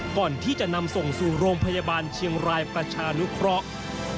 ก่อนที่จะนำส่งสู่โรงพยาบาลเชียงรายประชานุเคราะห์